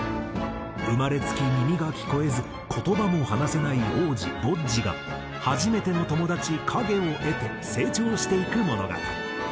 生まれつき耳が聞こえず言葉も話せない王子ボッジが初めての友達カゲを得て成長していく物語。